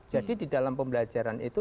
jadi di dalam pembelajaran itu